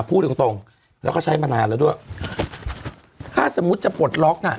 พูดตรงตรงแล้วก็ใช้มานานแล้วด้วยถ้าสมมุติจะปลดล็อกน่ะ